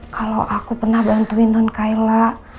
kalau aku pernah bantuin non kayla